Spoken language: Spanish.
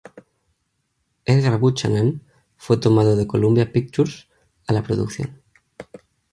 Edgar Buchanan fue tomado de Columbia Pictures a la producción.